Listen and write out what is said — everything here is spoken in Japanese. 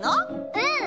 うん！